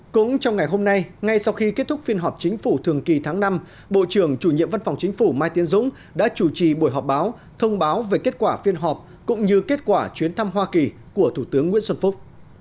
cũng trong ngày hôm nay ngay sau khi kết thúc phiên họp chính phủ thường kỳ tháng năm bộ trưởng chủ nhiệm văn phòng chính phủ mai tiến dũng đã chủ trì buổi họp báo thông báo về kết quả phiên họp cũng như kết quả chuyến thăm hoa kỳ của thủ tướng nguyễn xuân phúc